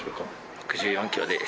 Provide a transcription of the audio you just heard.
６４キロです。